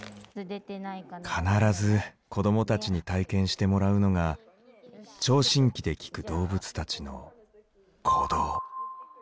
必ず子どもたちに体験してもらうのが聴診器で聞く動物たちの鼓動。